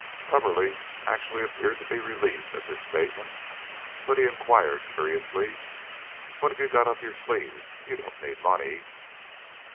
Coverly actually appeared to be relieved at this statement, but he inquired, curiously: "What have you got up your sleeve? You don't need money."